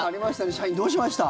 社員、どうしました？